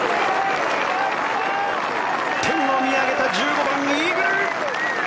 天を見上げた１５番、イーグル！